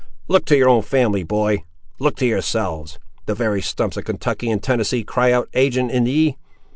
Look to your own family, boy; look to yourselves. The very stumps of Kentucky and Tennessee cry out ag'in ye!